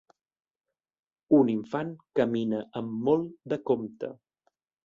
Un infant camina amb molt de compte.